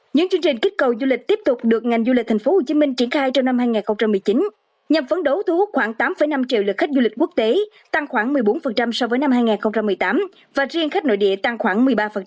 những chương trình kích cầu du lịch tiếp tục được ngành du lịch tp hcm triển khai trong năm hai nghìn một mươi chín nhằm phấn đấu thu hút khoảng tám năm triệu lượt khách du lịch quốc tế tăng khoảng một mươi bốn so với năm hai nghìn một mươi tám và riêng khách nội địa tăng khoảng một mươi ba